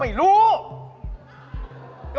ไม่รู้